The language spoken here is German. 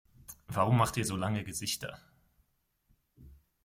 Warum macht ihr so lange Gesichter?